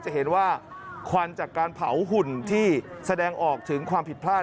จะเห็นว่าควันจากการเผาหุ่นที่แสดงออกถึงความผิดพลาด